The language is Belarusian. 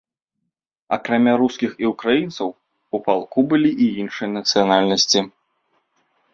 Акрамя рускіх і ўкраінцаў, у палку былі і іншыя нацыянальнасці.